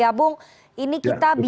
sekerja pulih langit umumnya